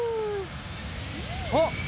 あっ！